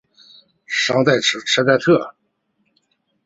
桑代特。